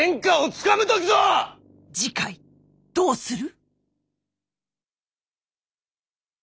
次回どうする？